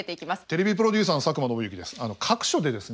テレビプロデューサーの佐久間宣行です。